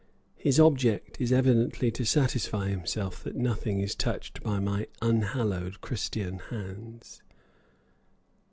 His object is evidently to satisfy himself that nothing is touched by my unhallowed Christian hands.